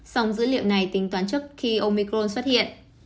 song dữ liệu này tính toán trước khi omicron xuất hiện